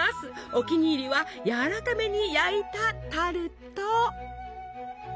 お気に入りはやわらかめに焼いたタルト！